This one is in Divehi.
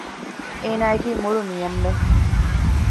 އޭނާ އަކީ މޮޅު ނިޔަންމެއް